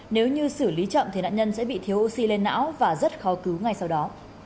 nếu như xử lý chậm thì nạn nhân sẽ bị thiếu oxy lên não và rất khó cứu ngay sau đó